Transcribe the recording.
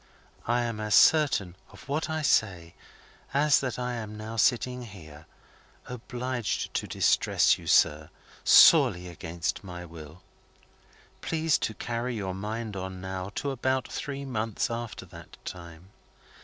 I am as certain of what I say as that I am now sitting here, obliged to distress you, sir, sorely against my will. Please to carry your mind on, now, to about three months after that time.